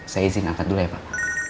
saya izin angkat dulu ya pak